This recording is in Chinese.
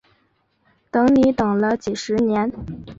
等你等了几十年